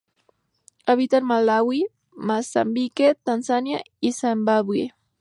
Habita en Malaui, Mozambique, Tanzania y Zimbabue.